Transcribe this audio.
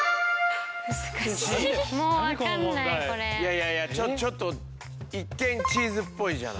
いやいやちょっと一見チーズっぽいじゃない。